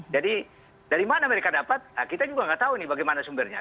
jadi dari mana mereka dapat kita juga tidak tahu ini bagaimana sumbernya